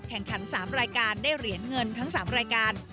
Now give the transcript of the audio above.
แข่งขัน๓รายการได้เหรียญเงินทั้ง๓รายการ